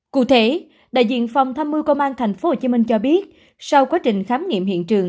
cụ thể đại diện phòng tham mưu công an tp hcm cho biết sau quá trình khám nghiệm hiện trường